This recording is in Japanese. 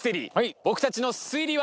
僕たちの推理は。